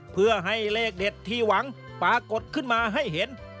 เพื่อให้เลขเด็ดที่หวังปรากฏขึ้นมาให้เห็น